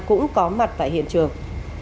cũng có mặt tại hiện trường